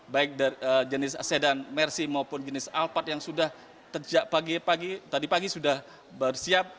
baik jenis sedan mercy maupun jenis alphard yang sudah sejak pagi tadi pagi sudah bersiap